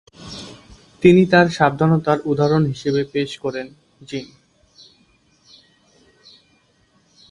তিনি তার সাবধানতার উদাহরণ হিসেবে পেশ করেন- জিন।